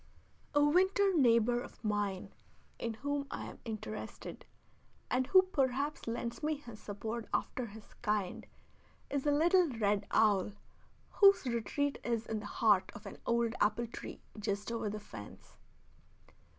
A winter neighbor of mine in whom I am interested, and who perhaps lends me his support after his kind, is a little red owl, whose retreat is in the heart of an old apple tree just over the fence.